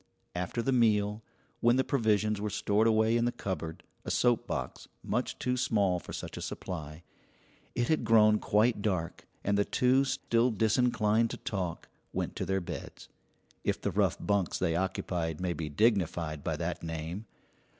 After the meal, when the provisions were stored away in the cupboard (a soap box) much too small for such a supply, it had grown quite dark, and the two, still disinclined to talk, went to their beds if the rough bunks they occupied may be dignified by that name.